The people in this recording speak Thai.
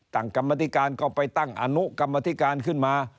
กรรมธิการก็ไปตั้งอนุกรรมธิการขึ้นมา